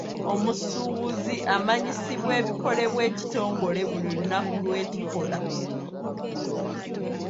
Omusuubuzi amanyisibwa ebikolebwa ekitongole buli lunaku lwe kikola.